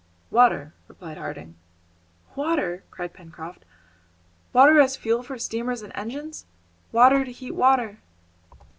"Water," replied Harding. "Water!" cried Pencroft, "water as fuel for steamers and engines! water to heat water!"